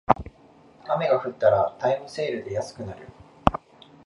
雨が降ったらタイムセールで安くなる